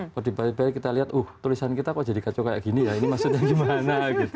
kalau dibalik balik kita lihat uh tulisan kita kok jadi kacau kayak gini ya ini maksudnya gimana gitu